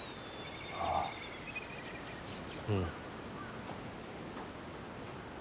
ああうん。